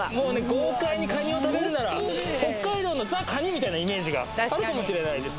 豪快にカニを食べるなら北海道のザ・カニみたいなイメージがあるかもしれないです